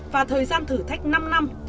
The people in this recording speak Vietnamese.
và thời gian thử thách năm năm